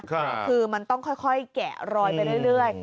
คือมันต้องค่อยแกะรอยไปเรื่อย